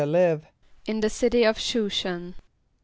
a] live? =In the city of Sh[u:]´shan.